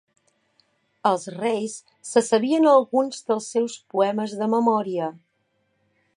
Els reis se sabien alguns dels seus poemes de memòria.